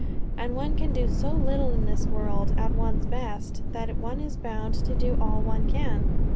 And one can do so little in this world at one's best, that one is bound to do all one can."